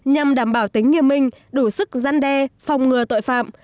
nhằm đảm bảo tính nghiêm minh đủ sức gian đe phòng ngừa tội phạm